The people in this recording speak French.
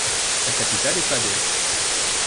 Sa capitale est Pader.